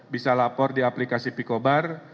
bisa lapor di aplikasi pikobar